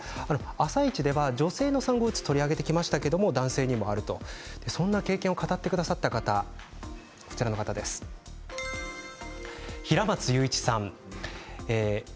「あさイチ」では女性の産後うつを取り上げてきましたけど、男性にもあるとそんな経験を語ってくださった方平松勇一さんです。